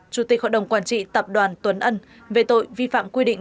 chủ tịch hội đồng quản trị tập đoàn tuấn ân về tội vi phạm quy định